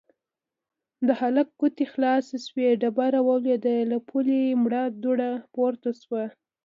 د هلک ګوتې خلاصې شوې، ډبره ولوېده، له پولې مړه دوړه پورته شوه.